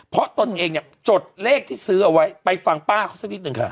พ่อตนนึงเองน่ะจดเลขที่ซื้อเอาไว้ไปฟังป้าเค้าซักนิดนึงข้า